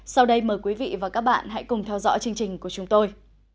sau đây mời quý vị và các bạn hãy cùng theo dõi chương trình của chúng tôi